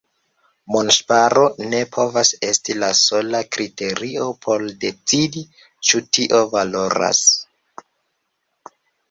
Monŝparo ne povas esti la sola kriterio por decidi, ĉu tio valoras.